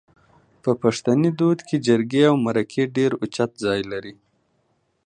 په پښتني دود کې جرګې او مرکې ډېر اوچت ځای لري